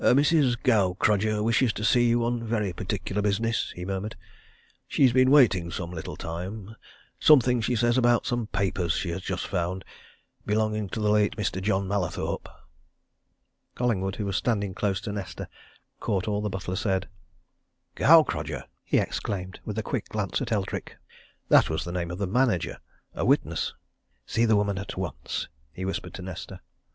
"A Mrs. Gaukrodger wishes to see you on very particular business," he murmured. "She's been waiting some little time something, she says, about some papers she has just found belonging to the late Mr. John Mallathorpe." Collingwood, who was standing close to Nesta, caught all the butler said. "Gaukrodger!" he exclaimed, with a quick glance at Eldrick. "That was the name of the manager a witness. See the woman at once," he whispered to Nesta.